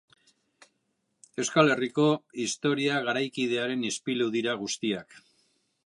Euskal Herriko historia garaikidearen ispilu dira guztiak.